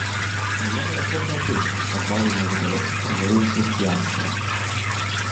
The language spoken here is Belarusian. Існуе валачобная песня, пазбаўленая відавочных паралеляў з хрысціянствам.